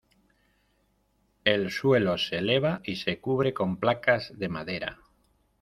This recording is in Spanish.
El suelo se eleva y se cubre con placas de madera.